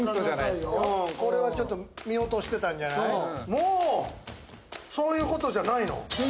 もうそういうことじゃないの？